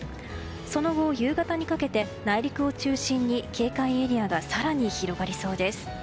その後、夕方にかけて内陸を中心に警戒エリアが更に広がりそうです。